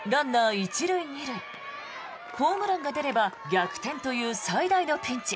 １塁２塁ホームランが出れば逆転という最大のピンチ。